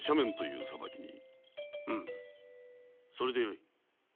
うむそれでよい。